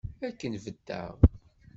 Akken beddeɣ.